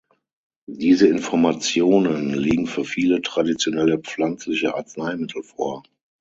Diese Informationen liegen für viele traditionelle pflanzliche Arzneimittel vor.